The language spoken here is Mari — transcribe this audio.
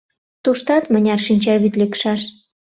Туштат мыняр шинчавӱд лекшаш.